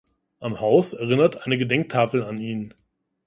Am Haus erinnert eine Gedenktafel an ihn.